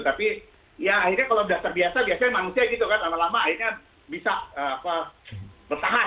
tapi ya akhirnya kalau sudah terbiasa biasanya manusia gitu kan lama lama akhirnya bisa bertahan